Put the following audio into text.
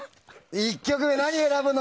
１曲目、何選ぶの？